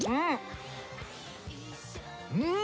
うん！